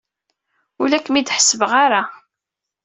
Ur la kem-id-ḥessbeɣ ara.